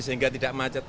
sehingga tidak macet